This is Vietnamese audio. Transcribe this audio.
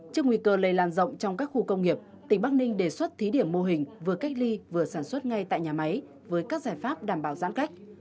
trước nguy cơ lây lan rộng trong các khu công nghiệp tỉnh bắc ninh đề xuất thí điểm mô hình vừa cách ly vừa sản xuất ngay tại nhà máy với các giải pháp đảm bảo giãn cách